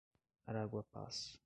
Araguapaz